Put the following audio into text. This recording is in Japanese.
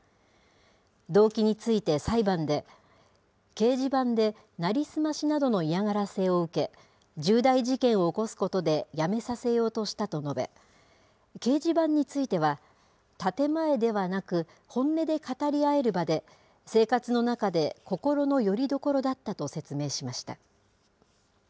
動機について、裁判で、掲示板で、成り済ましなどの嫌がらせを受け、重大事件を起こすことでやめさせようとしたと述べ、掲示板については、建て前ではなく、本音で語り合える場で、生活の中で心のよりどころだったと説明しました。